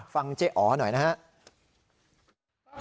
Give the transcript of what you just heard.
ฟังเจ๊อ๋อหน่อยนะครับ